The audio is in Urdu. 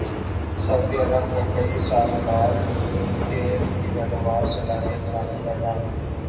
سعودی عرب کا کئی سال بعد تیل کی پیداواری صلاحیت بڑھانے کا اعلان